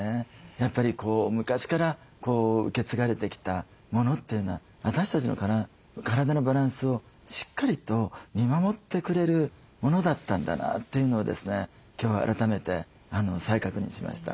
やっぱり昔から受け継がれてきたものというのは私たちの体のバランスをしっかりと見守ってくれるものだったんだなというのをですね今日改めて再確認しました。